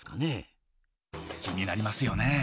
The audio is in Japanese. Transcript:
気になりますよね。